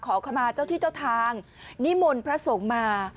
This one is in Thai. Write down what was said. ขอขมาเจ้าที่เจ้าทางนิมนต์พระสงฆ์มา